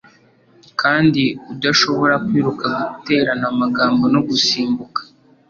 kandi udashobora kwiruka guterana amagambo no gusimbuka